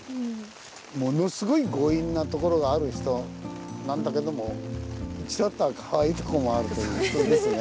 ものすごい強引なところがある人なんだけどもちょっとはかわいいとこもあるという人ですね。